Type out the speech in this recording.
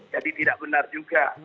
jadi tidak benar juga